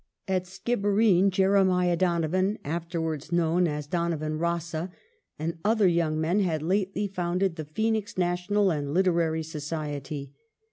At Skibbereen Jeremiah Donovan, afterwards known as O'Donovan Rossa, and other young men had lately founded the Phoenix National and Literary Society.